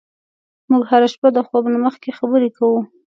موږ هره شپه د خوب نه مخکې خبرې کوو.